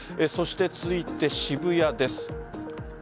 そして続いて渋谷です。